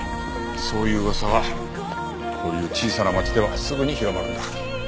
そういう噂はこういう小さな町ではすぐに広まるんだ。